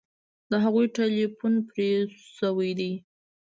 د هغوی ټیلیفون پرې شوی دی